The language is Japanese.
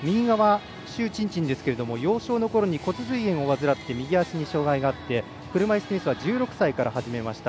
朱珍珍、幼少のころに骨髄炎を患って右足に障がいがあって車いすテニスは１６歳から始めました。